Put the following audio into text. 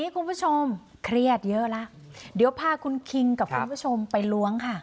คุณผู้ชมเครียดเยอะแล้วเดี๋ยวพาคุณคิงกับคุณผู้ชมไปล้วงค่ะ